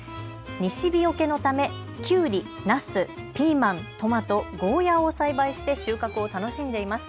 西日よけのためきゅうり、なす、ピーマン、トマト、ゴーヤーを栽培して収穫を楽しんでいます。